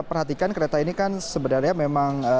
perhatikan kereta ini kan sebenarnya memang